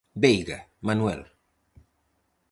Veiga, Manuel.